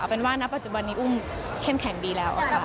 เป็นว่าณปัจจุบันนี้อุ้มเข้มแข็งดีแล้วค่ะ